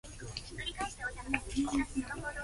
ヨポポイ音頭